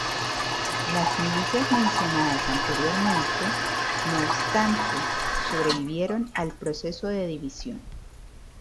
Las milicias mencionadas anteriormente, no obstante, sobrevivieron al proceso de división.